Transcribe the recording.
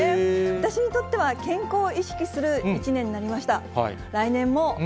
私にとっては健康を意識する１年になりました。